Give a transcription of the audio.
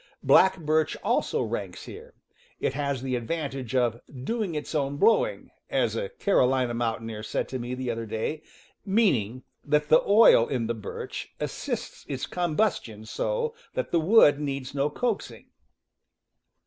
Black birch also ranks here; it has the advantage of "doing its own blowing," as a Carolina mountaineer said to me the other day, mean ing that the oil in the birch assists its combustion so that the wood needs no coaxing.